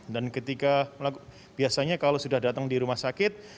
dan ketika biasanya kalau sudah datang di rumah sakit